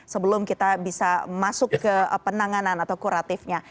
sebelum kita bisa masuk ke penanganan atau kuratifnya